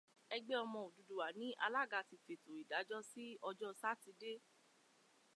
Ẹgbẹ́ ọmọ Odùduwà ní Alága ti fètò ìdájọ́ sí ọjọ́ Sátidé